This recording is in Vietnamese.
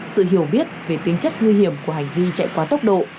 sự hiểu biết về tính chất nguy hiểm của hành vi chạy quá tốc độ